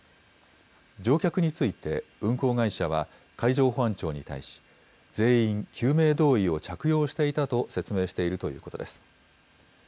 乗客について、運航会社は海上保安庁に対し、全員救命胴衣を着用していたと説明しているということです。